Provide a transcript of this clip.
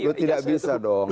itu tidak bisa dong